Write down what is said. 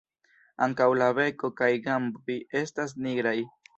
Ankaŭ la beko kaj gamboj estas nigraj.